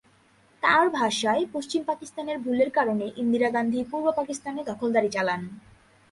তাঁর ভাষায় পশ্চিম পাকিস্তানের ভুলের কারণে ইন্দিরা গান্ধী পূর্ব পাকিস্তানে দখলদারি চালান।